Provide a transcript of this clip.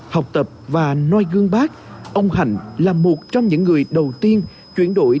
học tập và noi gương bác ông hạnh là một trong những người đầu tiên chuyển đổi